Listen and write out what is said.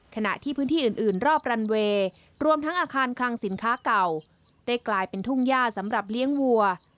ขณะที่พื้นที่อื่นรอบรันเวย์รวมทั้งอาคารคลังสินค้าเก่าได้กลายเป็นทุ่งย่าสำหรับเลี้ยงวัว